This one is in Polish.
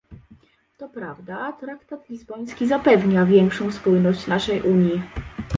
To prawda, traktat lizboński zapewnia większą spójność naszej Unii